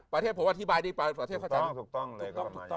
ประเทศผมอธิบายได้ประเทศภาษาจันทร์ถูกต้องถูกต้องเลย